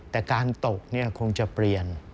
แต่การตกคงจะเปลี่ยน